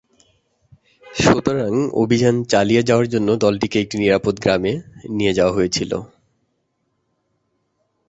সুতরাং, অভিযান চালিয়ে যাওয়ার জন্য দলটিকে একটি নিরাপদ গ্রামে নিয়ে যাওয়া হয়েছিল।